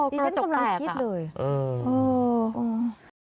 อ๋อเครื่องจบแก่ป่ะอ๋อเครื่องจบแก่ป่ะ